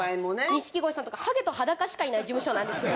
錦鯉さんとかハゲと裸しかいない事務所なんですよ